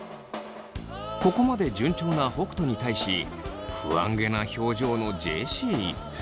ここまで順調な北斗に対し不安げな表情のジェシー。